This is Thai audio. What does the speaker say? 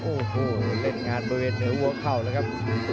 โอ้โหเล่นงานบริเวณเหนือหัวเข่าแล้วครับ